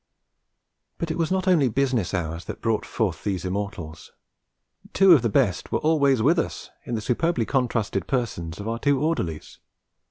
But it was not only business hours that brought forth these immortals; two of the best were always with us in the superbly contrasted persons of our two orderlies.